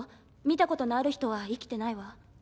見たことのある人は生きてないわ